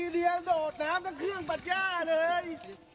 โดดน้ำทั้งเครื่องตัดย่าเลย